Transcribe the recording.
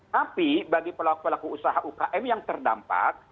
tapi bagi pelaku pelaku usaha ukm yang terdampak